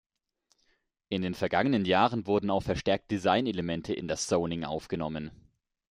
In den vergangenen Jahren wurden auch verstärkt Designelemente in das Zoning aufgenommen.